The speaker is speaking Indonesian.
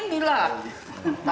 jadi baru tahun ini lah